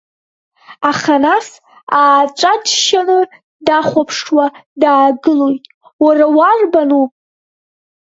Аха нас ааҵәа џьшьаны дахәаԥшуа даагылоит Уара, уарбану?!